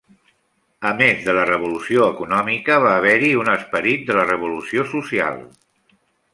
A més de la revolució econòmica, va haver-hi un esperit de la revolució social.